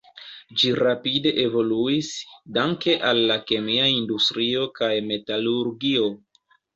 Ĝi rapide evoluis danke al la kemia industrio kaj metalurgio.